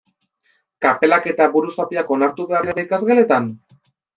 Kapelak eta buruzapiak onartu behar dira ikasgeletan?